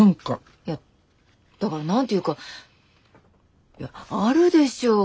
いやだから何て言うかあるでしょ？